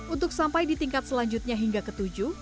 untuk sampai di tingkat selanjutnya hingga ke tujuh